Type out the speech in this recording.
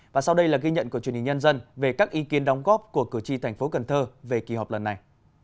và sau đây là ghi nhận của truyền hình nhân dân về các ý kiến đóng góp của cử tri thành phố cần thơ về kỳ họp lần này